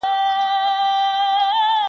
پرې کوي غاړي د خپلو اولادونو؛